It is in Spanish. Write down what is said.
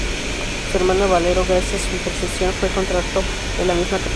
Su hermano Valero, gracias a su intercesión, fue contralto de la misma capilla.